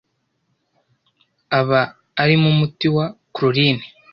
aba arimo umuti wa chlorine,